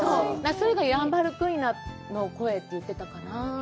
それがヤンバルクイナの声って言ってたかな。